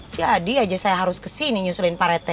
jadi aja saya harus kesini nyusulin pak rete